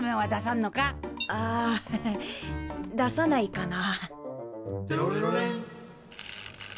ああ出さないかな。